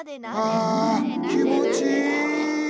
はあ気もちいい。